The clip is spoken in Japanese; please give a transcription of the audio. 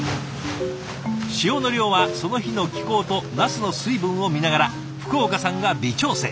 塩の量はその日の気候とナスの水分を見ながら福岡さんが微調整。